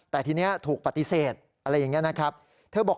แต่ทีนี้ถูกปฏิเสธอะไรอย่างนี้นะครับเธอบอก